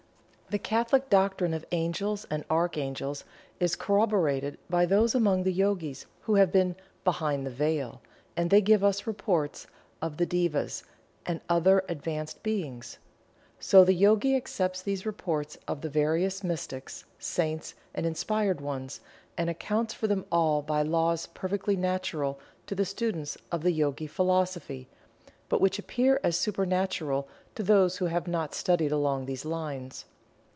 The Catholic doctrine of Angels and Arch angels is corroborated by those among the Yogis who have been "behind the Veil," and they give us reports of the "Devas" and other advanced Beings. So the Yogi accepts these reports of the various mystics, saints and inspired ones, and accounts for them all by laws perfectly natural to the students of the Yogi Philosophy, but which appear as supernatural to those who have not studied along these lines.